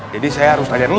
jadi saya harus tanya dulu